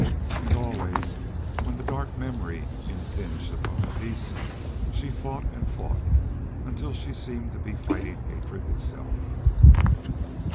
And always, when the dark memory impinged upon peace, she fought and fought until she seemed to be fighting hatred itself.